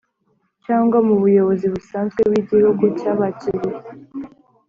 cyangwa mu buyobozi busanzwe bw'igihugu cyabakiriye.